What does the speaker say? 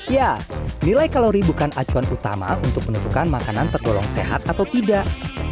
ya nilai kalori bukan acuan utama untuk menentukan makanan tergolong sehat atau tidak